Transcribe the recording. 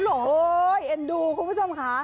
โอ้โหเอ็นดูคุณผู้ชมค่ะ